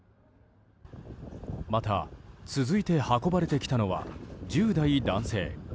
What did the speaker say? また、続いて運ばれてきたのは１０代男性。